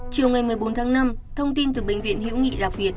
chiều ngày một mươi bốn tháng năm thông tin từ bệnh viện hữu nghị lạc việt